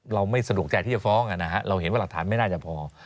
เราไม่สะดวกใจที่จะฟ้องเราเห็นว่าหลักฐานไม่น่าจะพอ